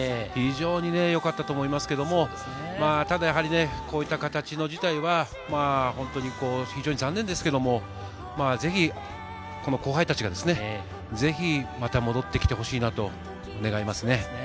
非常によかったと思いますけれど、ただやはりこういった形の辞退は非常に残念ですけれど、ぜひ後輩たちが、また戻ってきてほしいなと願います。